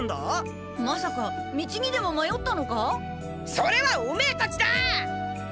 それはオメエたちだ！